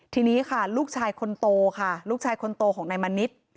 ทีนี้ลูกชายคนโตของนายมณิษฐ์